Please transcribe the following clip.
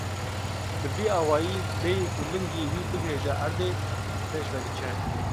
Bi vî awayî bêyî ku lingê wî bighêje erdê, bi pêş ve diçe.